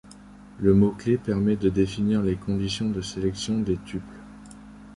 Le mot-clé permet de définir les conditions de sélection des tuples.